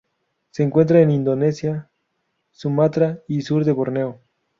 Se encuentran en Indonesia: Sumatra y sur de Borneo.